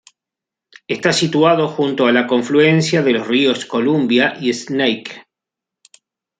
Está situado junto a la confluencia de los ríos Columbia y Snake.